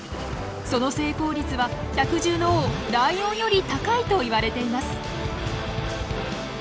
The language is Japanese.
その成功率は百獣の王ライオンより高いといわれています。